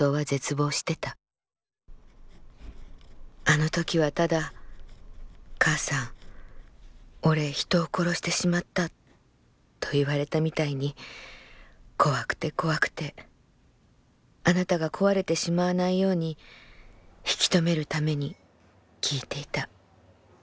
あの時はただ『母さん俺人を殺してしまった』と言われたみたいに怖くて怖くてあなたが壊れてしまわないように引き止めるために聞いていた。